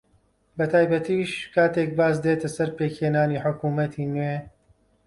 بەتایبەتیش کاتێک باس دێتە سەر پێکهێنانی حکوومەتی نوێ